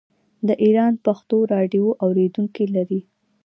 د ایران پښتو راډیو اوریدونکي لري.